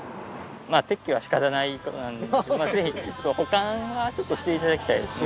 まあ撤去は仕方ない事なんですけどぜひ保管はちょっとしていただきたいですね。